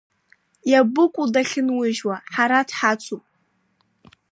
Иабыкәу дахьынужьуа, ҳара дҳацуп…